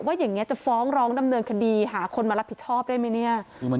อย่างนี้จะฟ้องร้องดำเนินคดีหาคนมารับผิดชอบได้ไหมเนี่ย